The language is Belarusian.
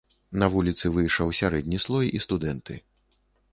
На вуліцы выйшаў сярэдні слой і студэнты.